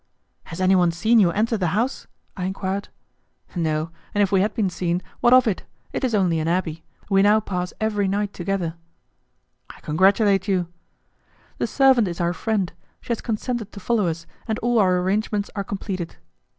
"Has anyone seen you enter the house?" I enquired. "No; and if we had been seen, what of it? It is only an abbé. We now pass every night together." "I congratulate you." "The servant is our friend; she has consented to follow us, and all our arrangements are completed."